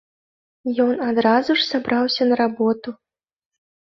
Ён адразу ж сабраўся на работу.